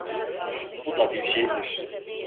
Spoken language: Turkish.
Bu da bir şeydir.